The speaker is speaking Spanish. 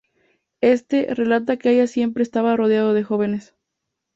Este, relata que Haya siempre estaba rodeado de jóvenes.